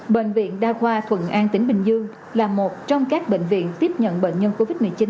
bệnh viện đa khoa thuận an tỉnh bình dương là một trong các bệnh viện tiếp nhận bệnh nhân covid một mươi chín